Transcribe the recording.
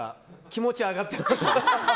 気持ち上がってます。